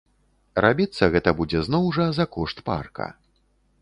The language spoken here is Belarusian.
Рабіцца гэта будзе зноў жа за кошт парка.